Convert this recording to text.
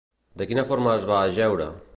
De quina forma es va ajeure?